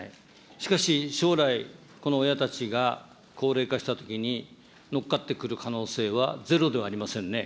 しかし、将来、この親たちが高齢化したときに、乗っかってくる可能性はゼロではありませんね。